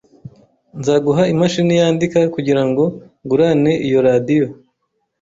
Nzaguha imashini yandika kugirango ngurane iyo radio